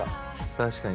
確かに。